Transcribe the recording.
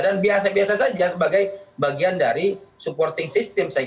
dan biasa biasa saja sebagai bagian dari supporting system